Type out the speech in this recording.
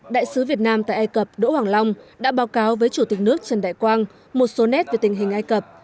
đại sứ việt nam tại ai cập đỗ hoàng long đã báo cáo với chủ tịch nước trần đại quang một số nét về tình hình ai cập